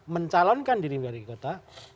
mencalonkan diri wali kota